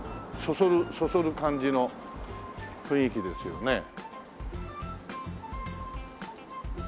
そそるそそる感じの雰囲気ですよね。